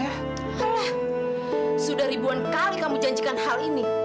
hah sudah ribuan kali kamu janjikan hal ini